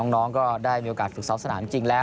น้องก็ได้มีโอกาสฝึกซ้อมสนามจริงแล้ว